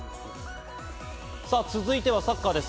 さあ続いてはサッカーです。